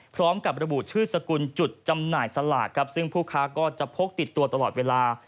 พร้อมกับระบุชื่อสกุลจุดจำหน่ายสลากครับซึ่งผู้ค้าก็จะพกติดตัวตลอดเวลา